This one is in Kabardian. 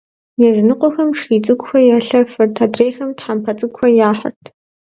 Языныкъуэхэм шхий цӏыкӏухэр ялъэфырт, адрейхэм тхьэмпэ цӏыкӏухэр яхьырт.